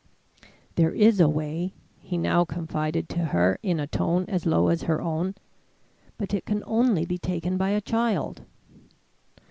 "There is a way," he now confided to her in a tone as low as her own, "but it can only be taken by a child."